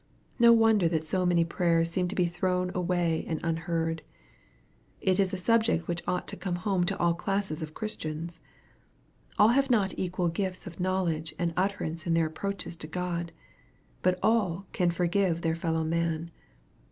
No wonder that so many prayers seem to be thrown away and unheard. It is a subject which ought to come home to all classes of Christians. All have not equal gifts of knowledge and utterance in their approaches to God. But all can forgive their fellow men.